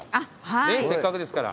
せっかくですから。